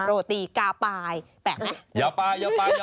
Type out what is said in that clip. โรตีกาปายแปลกไหม